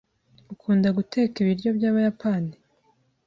Ukunda guteka ibiryo byabayapani?